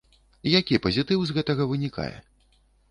Які пазітыў з гэтага вынікае?